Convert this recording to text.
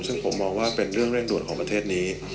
ซึ่งผมมองว่าเป็นเรื่องเร่งด่วนของประเทศนี้